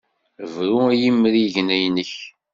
Bru i yimrigen-nnek!